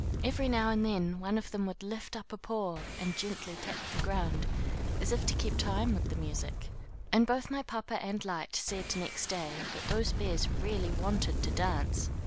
Every now and then one of them would lift up a paw and gently tap the ground, as if to keep time with the music. And both my papa and Lyte said next day that those bears really wanted to dance.